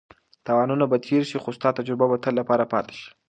تاوانونه به تېر شي خو ستا تجربه به د تل لپاره پاتې شي.